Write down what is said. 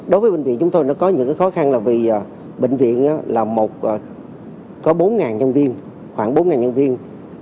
đối với bệnh viện chúng tôi có những khó khăn là bệnh viện có khoảng bốn nhân viên